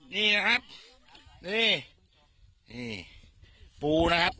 นี่นะครับ